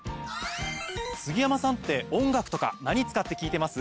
杉山さんって音楽とか何使って聞いてます？